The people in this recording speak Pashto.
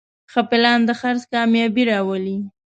ښه پلان د خرڅ کامیابي راولي.